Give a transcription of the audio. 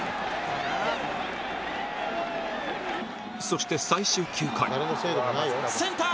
そして最終９回センター！